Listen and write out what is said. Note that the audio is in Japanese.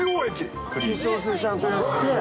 化粧水ちゃんとやって。